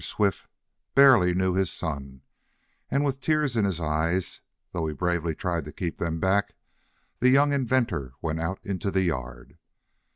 Swift barely knew his son, and, with tears in his eyes, though he bravely tried to keep them back, the young inventor went out into the yard.